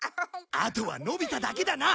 あとはのび太だけだな。